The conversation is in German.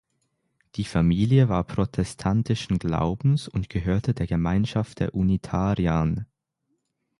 Die Familie war protestantischen Glaubens und gehörte der Gemeinschaft der Unitarier an.